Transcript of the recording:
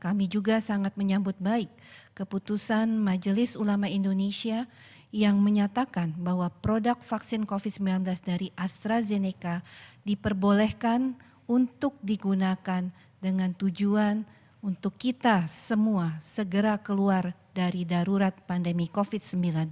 kami juga sangat menyambut baik keputusan majelis ulama indonesia yang menyatakan bahwa produk vaksin covid sembilan belas dari astrazeneca diperbolehkan untuk digunakan dengan tujuan untuk kita semua segera keluar dari darurat pandemi covid sembilan belas